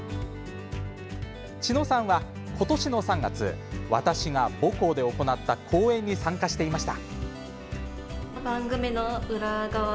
千野さんは、今年の３月私が学校で行った講演に参加していました。